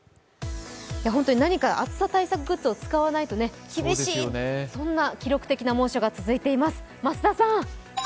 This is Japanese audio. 何か暑さ対策グッズを使わないと厳しいという、そんな記録的な猛暑が続いています。